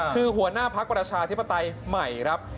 คือหัวหน้าพักประชาธิปไตยใหม่ครับ